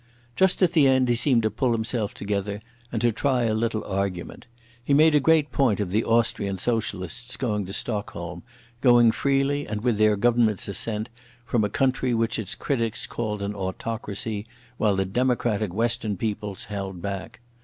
Just at the end he seemed to pull himself together and to try a little argument. He made a great point of the Austrian socialists going to Stockholm, going freely and with their Government's assent, from a country which its critics called an autocracy, while the democratic western peoples held back.